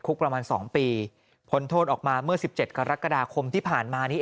ประมาณ๒ปีพ้นโทษออกมาเมื่อ๑๗กรกฎาคมที่ผ่านมานี้